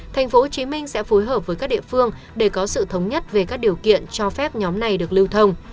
tp hcm sẽ phối hợp với các địa phương để có sự thống nhất về các điều kiện cho phép nhóm này được lưu thông